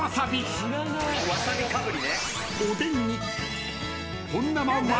［おでんに］